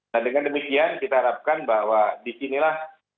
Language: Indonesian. dan dengan demikian kita harapkan bahwa di sinilah